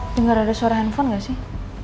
dengar ada suara handphone nggak sih